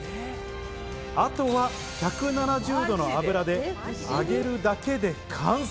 あとは１７０度の油で揚げるだけで完成。